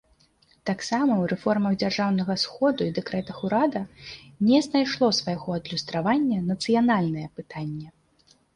Таксама ў рэформах дзяржаўнага сходу і дэкрэтах урада не знайшло свайго адлюстравання нацыянальнае пытанне.